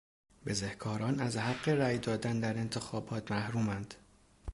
بزهکاران از حق رای دادن در انتخابات محروماند.